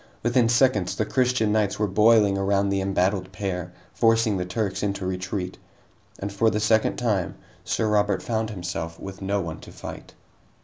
Within seconds, the Christian knights were boiling around the embattled pair, forcing the Turks into retreat. And for the second time, Sir Robert found himself with no one to fight.